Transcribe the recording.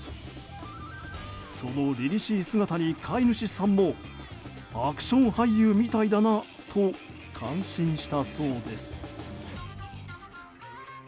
そのりりしい姿に飼い主さんもアクション俳優みたいだなと感心したそうです。